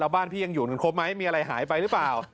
บ้านพี่ยังอยู่กันครบไหมมีอะไรหายไปหรือเปล่า